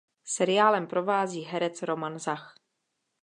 Seriálem provází herec Roman Zach.